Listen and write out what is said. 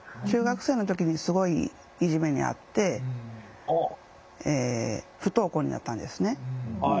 中学生の時にすごいいじめにあって不登校になったんですね。